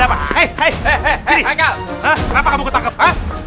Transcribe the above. hah kenapa kamu ketangkep